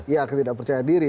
iya ketidakpercayaan diri